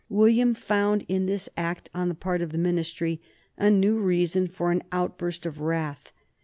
William found in this act on the part of the Ministry a new reason for an outburst of wrath.